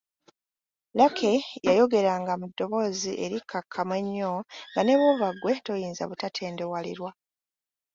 Lucky yayogereranga mu ddoboozi erikkakkamu ennyo nga ne bw’oba ggwe toyinza butatendewalirwa.